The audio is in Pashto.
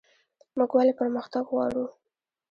موږ ولې پرمختګ غواړو؟